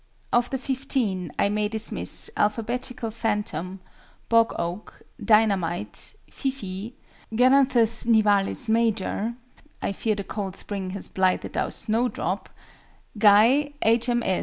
Of the 15, I may dismiss ALPHABETICAL PHANTOM, BOG OAK, DINAH MITE, FIFEE, GALANTHUS NIVALIS MAJOR (I fear the cold spring has blighted our SNOWDROP), GUY, H.M.